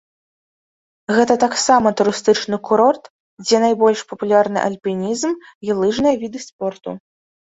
Гэта таксама турыстычны курорт, дзе найбольш папулярны альпінізм і лыжныя віды спорту.